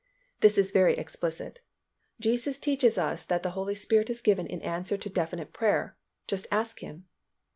This is very explicit. Jesus teaches us that the Holy Spirit is given in answer to definite prayer—just ask Him.